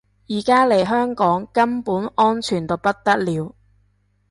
而家嚟香港根本安全到不得了